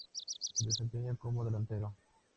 Se desempeñaba como delantero.